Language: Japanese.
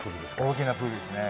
大きなプールですね。